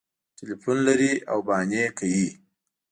ټلیفون لري او بهانې کوي